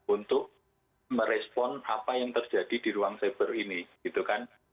untuk merespon apa yang terjadi di ruang cyber ini gitu kan